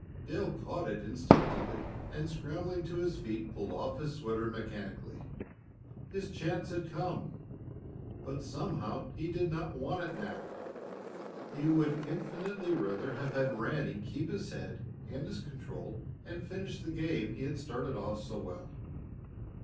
Dale caught it instinctively, and, scrambling to his feet, pulled off his sweater mechanically. His chance had come, but somehow he did not want it now. He would infinitely rather have had Ranny keep his head and his control and finish the game he had started off so well.